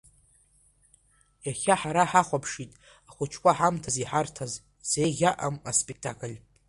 Иахьа ҳара ҳахәаԥшит ахәыҷқәа ҳамҭас иҳарҭаз зеиӷьаҟам аспектакль.